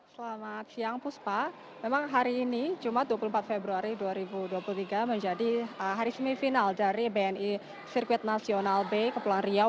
selamat siang puspa memang hari ini jumat dua puluh empat februari dua ribu dua puluh tiga menjadi hari semifinal dari bni sirkuit nasional b kepulauan riau